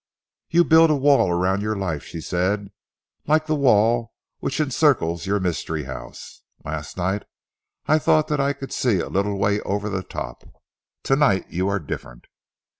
"You build a wall around your life," she said, "like the wall which encircles your mystery house. Last night I thought that I could see a little way over the top. To night you are different."